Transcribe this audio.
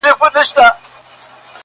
راسه دوې سترگي مي دواړي درله دركړم.